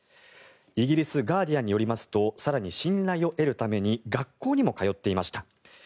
イギリスガーディアンによりますと更に、信頼を得るために学校にも通っていました。